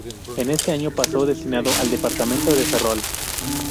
En este año pasó destinado al departamento de Ferrol.